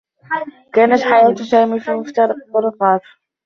كانت حياة سامي في مفترق الطّرقات.